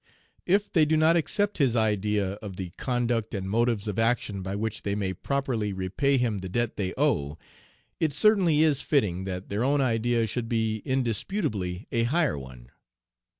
If they do not accept his idea of the conduct and motives of action by which they may properly repay him the debt they owe, it certainly is fitting that their own idea should be indisputably a higher one.